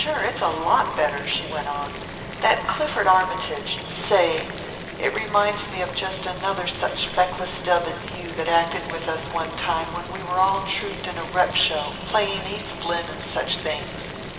"Sure, it's a lot better," she went on. "That 'Clifford Armytage' say, it reminds me of just another such feckless dub as you that acted with us one time when we all trouped in a rep show, playing East Lynne and such things.